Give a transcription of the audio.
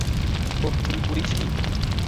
ওহ, তুমি করেছিলে।